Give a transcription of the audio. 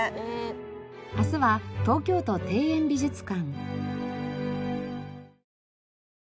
明日は東京都庭園美術館。